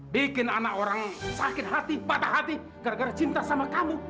bikin anak orang sakit hati patah hati gara gara cinta sama kamu